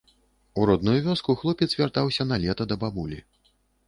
У родную вёску хлопец вяртаўся на лета да бабулі.